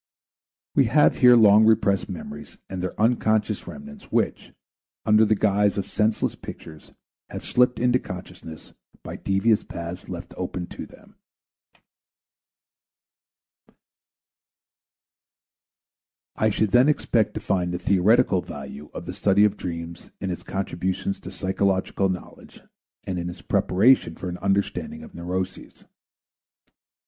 We have here long repressed memories and their unconscious remnants which, under the guise of senseless pictures have slipped into consciousness by devious paths left open to them. I should then expect to find the theoretical value of the study of dreams in its contribution to psychological knowledge and in its preparation for an understanding of neuroses.